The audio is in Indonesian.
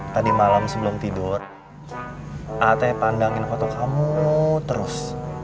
tadi malam sebelum tidur at pandangin foto kamu terus